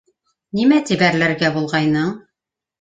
Нимә тип әрләргә булғайның?